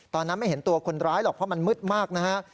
ตอนนั้นไม่เห็นตัวคนร้ายหรอกเพราะมันมืดมากนะฮะ